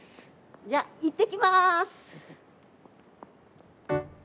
じゃいってきます！